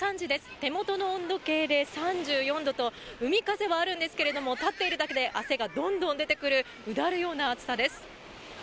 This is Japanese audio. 手元の温度計で３４度と海風はあるんですけども立っているだけで汗がどんどん出てくるうだるような暑さです。